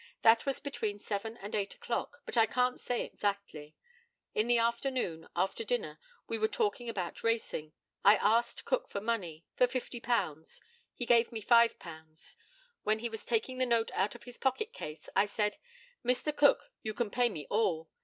That was between seven and eight o'clock, but I can't say exactly. In the afternoon, after dinner, we were talking about racing. I asked Cook for money for £50. He gave me £5. When he was taking the note out of his pocket case, I said "Mr. Cook, you can pay me all."